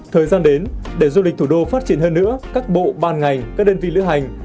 thời gian đến để du lịch thủ đô phát triển hơn nữa các bộ ban ngành các đơn vị lữ hành